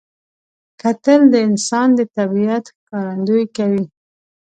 کتل د انسان د طبیعت ښکارندویي کوي